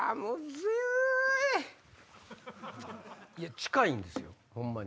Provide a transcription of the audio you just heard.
近いんですよホンマに。